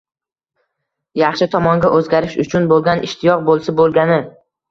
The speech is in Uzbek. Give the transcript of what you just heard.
Yaxshi tomonga o’zgarish uchun bo’lgan ishtiyoq bo’lsa bo’lgani!